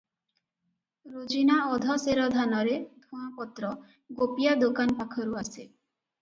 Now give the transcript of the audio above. ରୋଜିନା ଅଧ ସେର ଧାନରେ ଧୂଆଁପତ୍ର ଗୋପିଆ ଦୋକାନ ପାଖରୁ ଆସେ ।